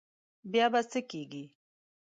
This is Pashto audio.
بیا به څه کېږي.